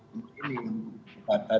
di bukit sias bunga